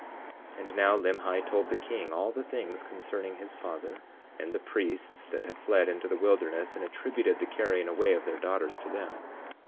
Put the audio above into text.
20:23 And now Limhi told the king all the things concerning his father, and the priests that had fled into the wilderness, and attributed the carrying away of their daughters to them.